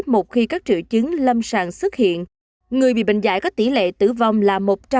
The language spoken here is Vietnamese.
một khi các triệu chứng lâm sàng xuất hiện người bị bệnh dạy có tỷ lệ tử vong là một trăm linh